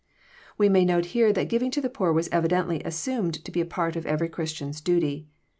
We may note here that giving to the poor was evidently as sumed to be a part of every Christian's duty.